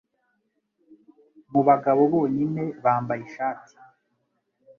Mubagabo bonyine bambaye ishati-